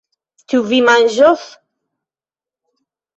Ĉu vi manĝos?